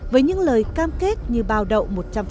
với những lời cam kết như bao đậu một trăm linh